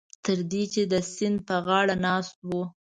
تر دې چې د سیند په غاړه ناست وو.